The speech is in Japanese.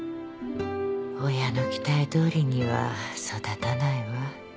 親の期待どおりには育たないわ。